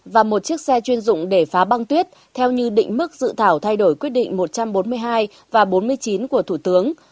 và một chiếc xe chuyên dụng để phá băng tuyết theo như định mức dự thảo thay đổi quyết định một trăm bốn mươi hai và bốn mươi chín của thủ tướng